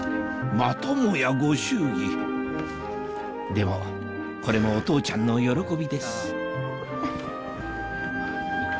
またもやご祝儀でもこれもお父ちゃんの喜びです